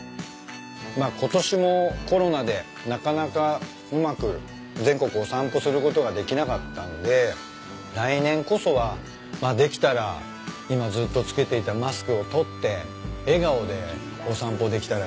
まあことしもコロナでなかなかうまく全国お散歩することができなかったんで来年こそはまあできたら今ずっと着けていたマスクを取って笑顔でお散歩できたらいいなと思いますね。